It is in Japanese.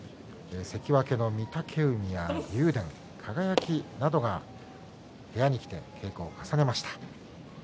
関脇の御嶽海や竜電輝などが部屋に来て稽古を重ねました。